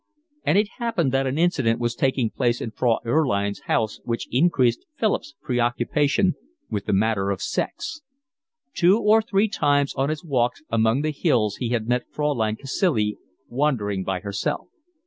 And it happened that an incident was taking place in Frau Erlin's house which increased Philip's preoccupation with the matter of sex. Two or three times on his walks among the hills he had met Fraulein Cacilie wandering by herself.